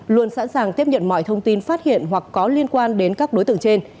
luôn sẵn sàng tiếp nhận mọi thông tin phát hiện hoặc có liên quan đến các đối tượng trên